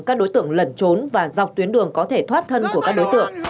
các đối tượng lẩn trốn và dọc tuyến đường có thể thoát thân của các đối tượng